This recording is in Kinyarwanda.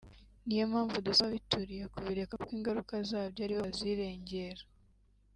niyo mpamvu dusaba ababituriye kubireka kuko ingaruka zabyo aribo bazirengera